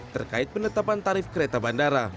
terkait penetapan tarif kereta bandara